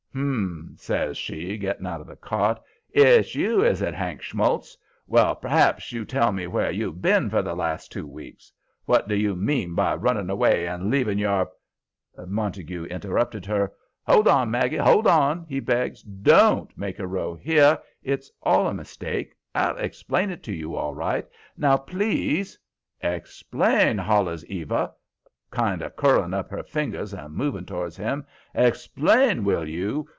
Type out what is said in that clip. "Hum!" says she, getting out of the cart. "It's you, is it, Hank Schmults? Well, p'r'aps you'll tell me where you've been for the last two weeks? What do you mean by running away and leaving your " Montague interrupted her. "Hold on, Maggie, hold on!" he begs. "DON'T make a row here. It's all a mistake; I'll explain it to you all right. Now, please " "Explain!" hollers Eva, kind of curling up her fingers and moving toward him. "Explain, will you?